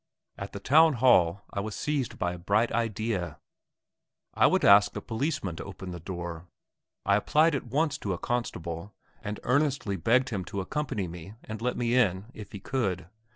At the Town Hall I was seized by a bright idea. I would ask the policeman to open the door. I applied at once to a constable, and earnestly begged him to accompany me and let me in, if he could.